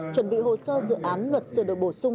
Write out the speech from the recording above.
chuẩn bị hồ sơ dự án luật sửa đổi bổ sung